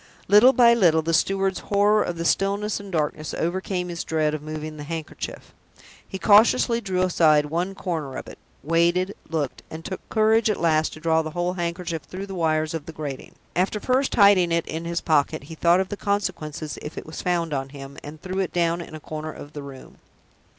Little by little, the steward's horror of the stillness and the darkness overcame his dread of moving the handkerchief. He cautiously drew aside one corner of it, waited, looked, and took courage at last to draw the whole handkerchief through the wires of the grating. After first hiding it in his pocket, he thought of the consequences if it was found on him, and threw it down in a corner of the room.